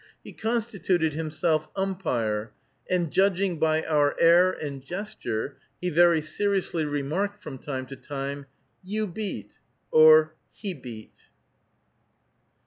He constituted himself umpire, and, judging by our air and gesture, he very seriously remarked from time to time, "you beat," or "he beat."